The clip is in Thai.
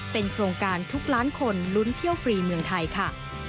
เป็นโครงการทุกล้านคนลุ้นเที่ยวฟรีเมืองไทยค่ะ